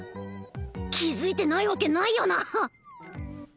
気づいてないわけないよな！？